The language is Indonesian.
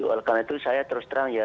oleh karena itu saya terus terang ya